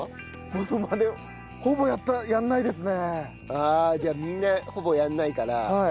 ああーじゃあみんなほぼやらないから。